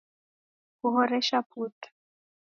Kuhoresha putu!